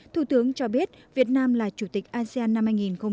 thủ tướng cho biết việt nam là chủ tịch asean năm hai nghìn hai mươi